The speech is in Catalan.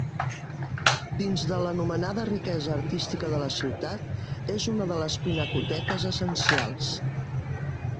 Dins de l'anomenada riquesa artística de la ciutat, és una de les pinacoteques essencials.